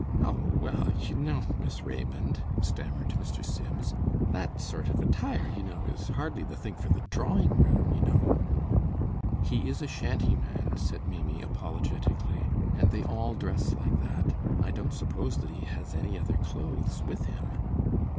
"Oh, well, you know, Miss Raymond," stammered Mr. Sims, "that sort of attire, you know, is hardly the thing for the drawing room, you know." "He is a shantyman," said Maimie, apologetically, "and they all dress like that. I don't suppose that he has any other clothes with him."